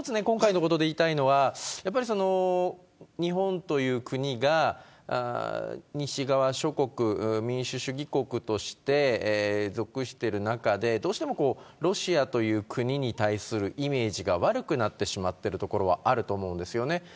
今回のことで言いたいのは、日本という国が西側諸国民主主義国として属してる中でどうしてもロシアという国に対するイメージが悪くなってしまってるところはあると思うんですよね。